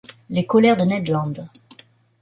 Les colères de Ned Land